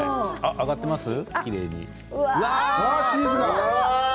揚がってますね。